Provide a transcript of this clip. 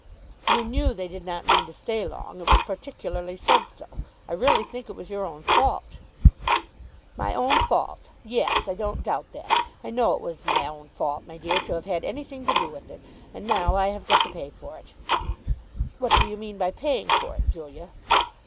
"You knew they did not mean to stay long. It was particularly said so. I really think it was your own fault." "My own fault. Yes; I don't doubt that. I know it was my own fault, my dear, to have had anything to do with it. And now I have got to pay for it." "What do you mean by paying for it, Julia?"